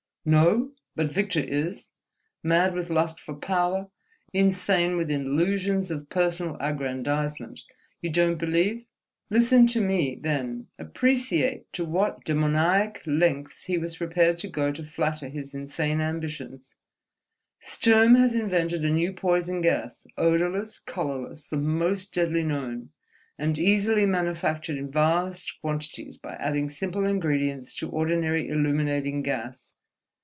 "No—but Victor is, mad with lust for power, insane with illusions of personal aggrandizement. You don't believe? Listen to me, then, appreciate to what demoniac lengths he was prepared to go to flatter his insane ambitions:" "Sturm has invented a new poison gas, odourless, colourless, the most deadly known, and easily manufactured in vast quantities by adding simple ingredients to ordinary illuminating gas.